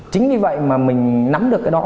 chính vì vậy mà mình nắm được cái đó